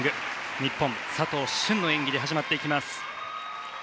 日本、佐藤駿の演技で始まっていきます。